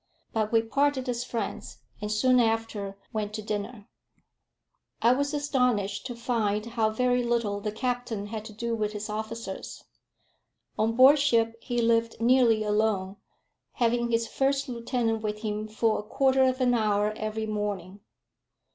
But we parted as friends, and soon after went to dinner. I was astonished to find how very little the captain had to do with his officers. On board ship he lived nearly alone, having his first lieutenant with him for a quarter of an hour every morning.